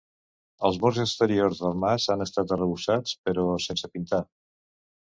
Els murs exteriors del mas han estat arrebossats però sense pintar.